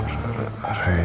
artinya tau bakal vidio